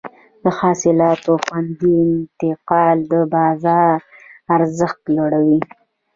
د حاصلاتو خوندي انتقال د بازار ارزښت لوړوي.